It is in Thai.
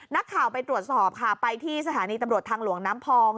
นักข่าวไปตรวจสอบค่ะไปที่สถานีตำรวจทางหลวงน้ำพอง